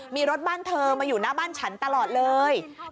มีรถบ้านเธอมาอยู่หน้าบ้านฉันตลอดเลย